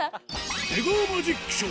出川マジックショー